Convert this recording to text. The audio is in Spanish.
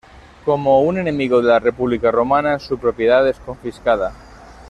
Como un "enemigo de la república romana", su propiedad es confiscada.